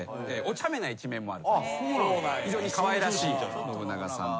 非常にかわいらしい信長さんです。